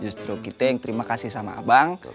justru kita yang terima kasih sama abang